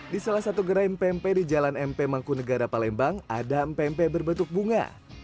di salah satu gerai mpe mpe di jalan mp mangkunegara palembang ada mpe mpe berbentuk bunga